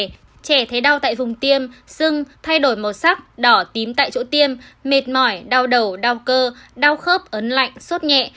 trẻ thấy đau tại vùng tiêm sưng thay đổi màu sắc đỏ tím tại chỗ tiêm mệt mỏi đau đầu đau cơ đau khớp ấn lạnh sốt nhẹ